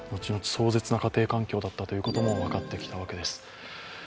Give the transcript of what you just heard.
壮絶な家庭環境だったということも分かってきたわけです。